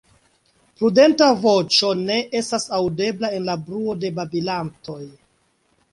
Prudenta voĉo ne estas aŭdebla en la bruo de babilantoj.